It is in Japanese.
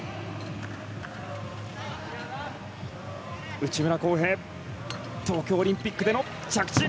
内村航平、東京オリンピックでの着地。